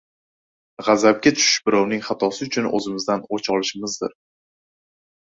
G‘azabga tushish birovning xatosi uchun o‘zimizdan o‘ch olishimizdir.